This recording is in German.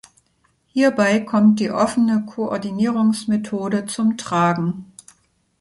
Hierbei kommt die offene Koordinierungsmethode zum Tragen.